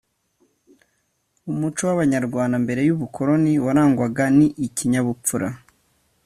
umuco w abanyarwanda mbere y ubukoloni warangwaga ni ikinyabupfura